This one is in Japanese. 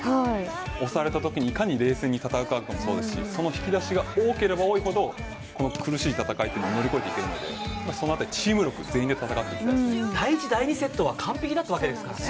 押されたときにいかに冷静に戦うかもそうですしその引き出しが多ければ多いほどこの苦しい戦いを乗り越えていけるのでその辺り第１、第２セットは完璧だったわけですからね。